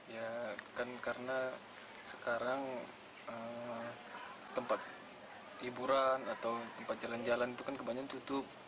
ya kan karena sekarang tempat hiburan atau tempat jalan jalan itu kan kebanyakan tutup